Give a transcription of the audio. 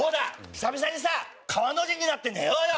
久々にさ川の字になって寝ようよ！